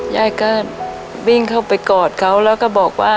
ยายก็วิ่งเข้าไปกอดเขาแล้วก็บอกว่า